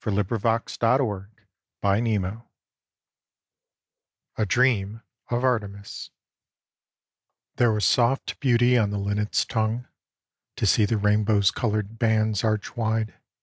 SONGS OF PEACE AT HOME A DREAM OF ARTEMIS There was soft beauty on the linnet's tongue To see the rainbow's coloured bands arch wide.